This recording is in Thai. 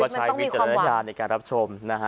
ชีวิตไม่ต้องมีความหวัง